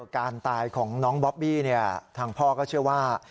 การตายของน้องบอบบี้ทางพ่อก็เชื่อว่า